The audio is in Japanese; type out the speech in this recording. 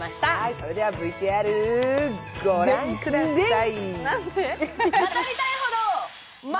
それではＶＴＲご覧ください。